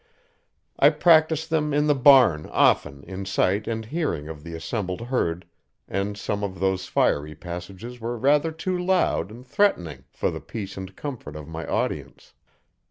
I practiced them in the barn, often, in sight and hearing of the assembled herd and some of those fiery passages were rather too loud and threatening for the peace and comfort of my audience.